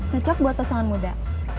cocok buat pesanan muda